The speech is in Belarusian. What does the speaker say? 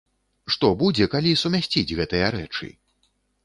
Што будзе, калі сумясціць гэтыя рэчы?